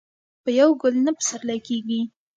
په يو ګل نه پسرلی کيږي.